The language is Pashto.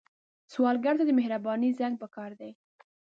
سوالګر ته د مهرباني زنګ پکار دی